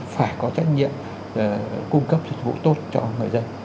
phải có trách nhiệm cung cấp dịch vụ tốt cho người dân